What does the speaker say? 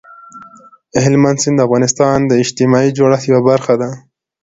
هلمند سیند د افغانستان د اجتماعي جوړښت یوه برخه ده.